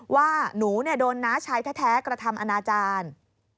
ว่าหนูโดนน้าชายแท้กระทำอนาจารย์